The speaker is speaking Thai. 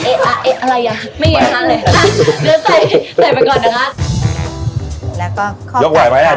เอ๊ะเอ๊ะอะไรอ่ะไม่เห็นเห็นละเลยอ่ะเดี๋ยวใส่ใส่ไปก่อนนะครับ